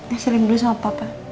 eh seling dulu sama papa